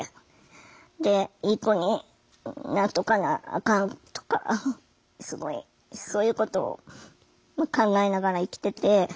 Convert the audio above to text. いい子になっとかなあかんとかすごいそういうことを考えながら生きてて。